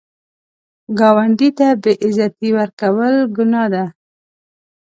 ګاونډي ته بې عزتي ورکول ګناه ده